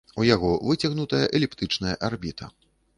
У яго выцягнутая эліптычная арбіта.